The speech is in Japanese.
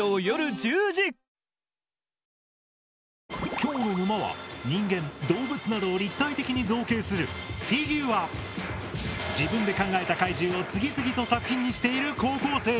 きょうの沼は人間・動物などを立体的に造形する自分で考えた怪獣を次々と作品にしている高校生！